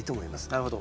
なるほど。